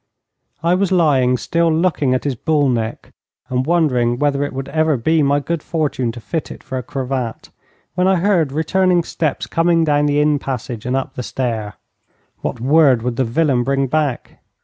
I was lying still looking at his bull neck, and wondering whether it would ever be my good fortune to fit it for a cravat, when I heard returning steps coming down the inn passage and up the stair. What word would the villain bring back?